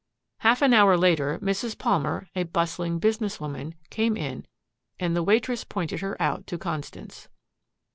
Half an hour later, Mrs. Palmer, a bustling business woman, came in and the waitress pointed her out to Constance.